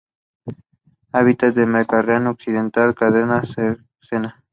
Habita en el Mediterráneo occidental, Cerdeña, Córcega.